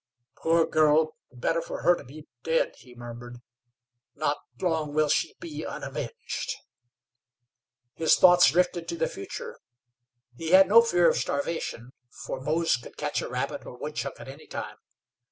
"Poor girl, better for her to be dead," he murmured. "Not long will she be unavenged!" His thoughts drifted to the future. He had no fear of starvation, for Mose could catch a rabbit or woodchuck at any time.